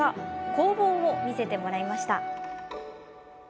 工房を見せてもらいました。